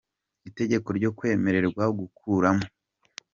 Itegeko ryo kwemererwa gukuramo